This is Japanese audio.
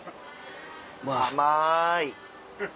甘い。